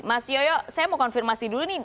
mas yoyo saya mau konfirmasi dulu nih